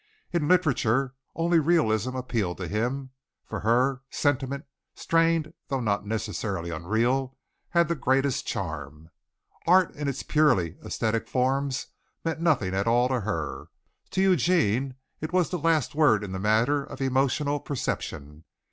In literature, only realism appealed to him; for her, sentiment, strained though not necessarily unreal, had the greatest charm. Art in its purely æsthetic forms meant nothing at all to her. To Eugene it was the last word in the matter of emotional perception.